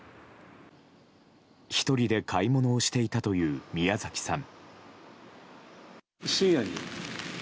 １人で買い物をしていたという宮崎さん。